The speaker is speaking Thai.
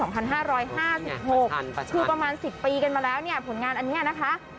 คือประมาณ๑๐ปีกันมาแล้วเนี่ยผลงานอันนี้นะคะ